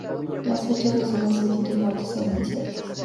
Las fechas de su nacimiento y muerte son inciertas.